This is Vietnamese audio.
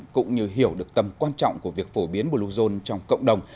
cũng như hiểu được tầm quan trọng của việc phổ biến bluezone trong cộng đồng